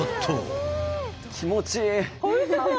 気持ちいい。